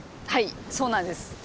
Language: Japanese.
はいそうなんです。